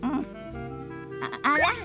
あら？